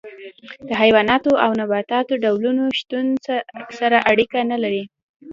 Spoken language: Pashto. د حیواناتو او نباتاتو ډولونو شتون سره اړیکه نه لري.